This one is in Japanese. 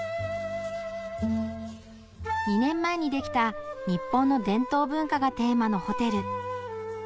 ２年前に出来た「日本の伝統文化」がテーマのホテル。